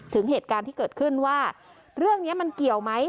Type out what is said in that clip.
ถึงเหตุการณ์ที่เกิดขึ้นว่าเรื่องนี้มันเกี่ยวไหม